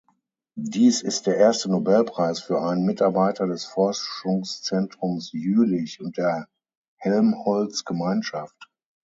Dies ist der erste Nobelpreis für einen Mitarbeiter des Forschungszentrums Jülich und der Helmholtz-Gemeinschaft.